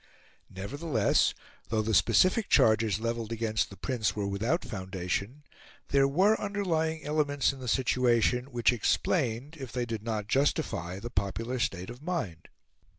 Nevertheless, though the specific charges levelled against the Prince were without foundation, there were underlying elements in the situation which explained, if they did not justify, the popular state of mind.